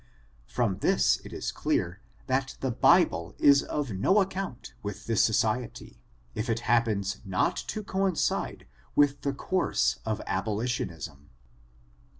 From this it is clear, that the Bible is of no account with this society, if it happens not to coincide with the course of abolitionism.